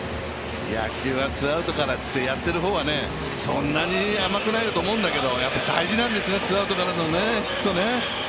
野球はツーアウトからって、やってる方はそんなに甘くないよと思うんだけど、大事なんですね、ツーアウトからのヒットね。